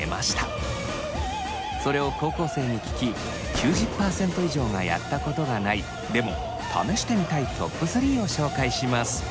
それを高校生に聞き９０％以上がやったことがないでも試してみたいトップ３を紹介します。